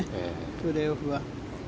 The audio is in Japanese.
プレーオフは。